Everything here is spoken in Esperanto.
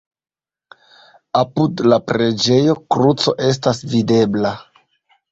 Apud la preĝejo kruco estas videbla.